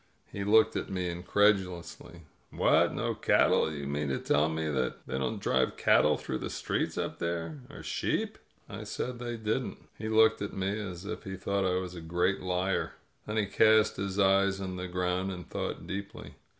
He looked at me incredulously. "What, no cattle? You mean to tell me that they don't drive cattle through the streets up there? Or sheep?" I said they didn't. He looked at me as if he thought I was a great liar ; then he cast his eyes on the ground and thought deeply.